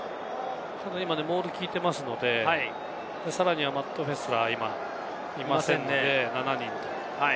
モールが効いていますので、さらにマット・フェスラーいますので、７人と。